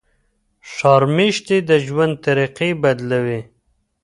ښار میشتي د ژوند طریقې بدلوي.